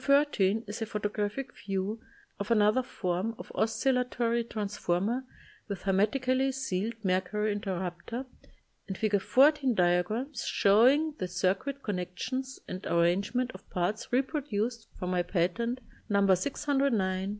13 is a photographic view of another form of oscillatory transformer with her metically sealed mercury interrupter, and Fig. 14 diagrams showing the circuit con nections and arrangement of parts repro duced from my patent, No.